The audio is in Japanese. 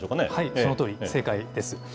そのとおり、正解です。